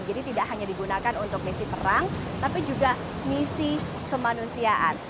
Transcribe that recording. jadi tidak hanya digunakan untuk misi perang tapi juga misi kemanusiaan